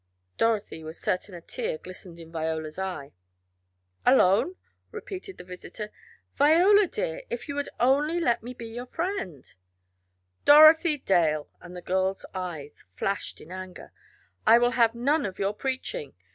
Dorothy was certain a tear glistened in Viola's eye. "Alone!" repeated the visitor. "Viola, dear, if you would only let me be your friend " "Dorothy Dale!" and the girl's eyes flashed in anger. "I will have none of your preaching.